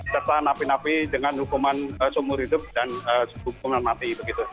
serta napi napi dengan hukuman seumur hidup dan hukuman mati